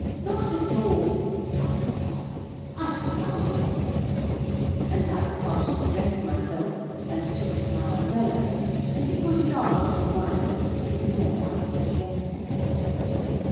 "Not at all," I replied; "I shall like a walk." And I partially dressed myself, and took my umbrella; and he put his arm through mine, and we went out together.